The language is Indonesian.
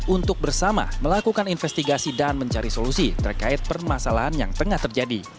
untuk bersama melakukan investigasi dan mencari solusi terkait permasalahan yang tengah terjadi